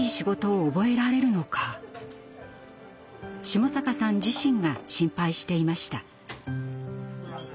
下坂さん自身が心配していました。